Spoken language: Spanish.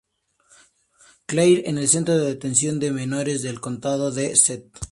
Clair, el centro de detención de menores en el condado de St.